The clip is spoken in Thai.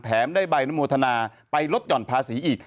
ได้ใบอนุโมทนาไปลดหย่อนภาษีอีก